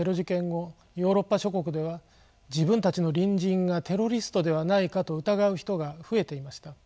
ヨーロッパ諸国では自分たちの隣人がテロリストではないかと疑う人が増えていました。